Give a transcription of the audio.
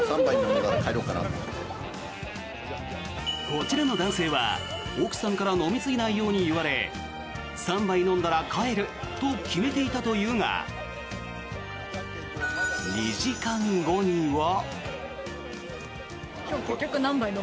こちらの男性は、奥さんから飲みすぎないよう言われ３杯飲んだら帰ると決めていたというが２時間後には。